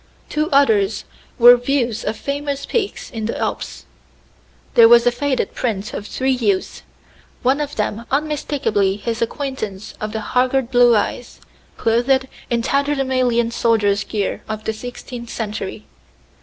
Two others were views of famous peaks in the Alps. There was a faded print of three youths one of them unmistakably his acquaintance of the haggard blue eyes clothed in tatterdemalion soldier's gear of the sixteenth century.